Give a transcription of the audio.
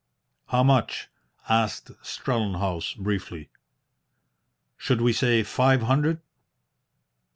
"How much?" asked Strellenhaus, briefly. "Should we say five hundred?"